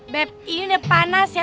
bep ini udah panas ya